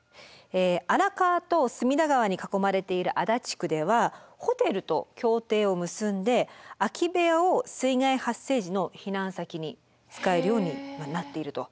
荒川と隅田川に囲まれている足立区ではホテルと協定を結んで空き部屋を水害発生時の避難先に使えるようになっていると。